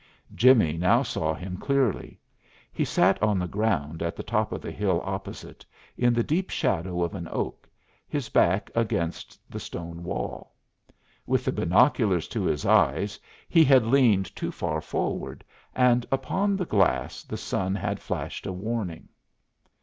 Jimmie now saw him clearly. He sat on the ground at the top of the hill opposite, in the deep shadow of an oak, his back against the stone wall. With the binoculars to his eyes he had leaned too far forward, and upon the glass the sun had flashed a warning.